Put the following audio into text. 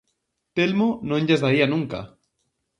Telmo non llas daría nunca.